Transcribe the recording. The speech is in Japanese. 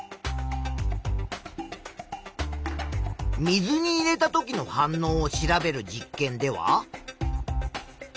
水に入れた時の反応を調べる実験では。